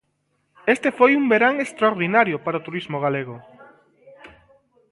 Este foi un verán extraordinario para o turismo galego.